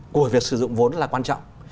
của việc sử dụng vốn là quan trọng